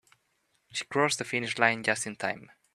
She crossed the finish line just in time.